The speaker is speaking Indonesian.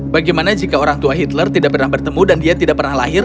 bagaimana jika orang tua hitler tidak pernah bertemu dan dia tidak pernah lahir